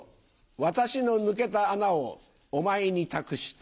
私の抜けた穴をお前に託したい。